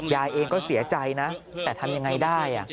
ยายเองก็เสียใจนะแต่ทำยังไงได้